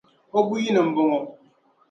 o buyi ni n-bɔ ŋɔ.